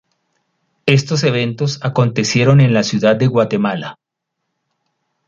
Estos eventos acontecieron en la ciudad de Guatemala.